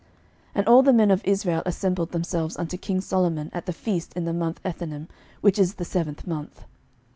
11:008:002 And all the men of Israel assembled themselves unto king Solomon at the feast in the month Ethanim, which is the seventh month.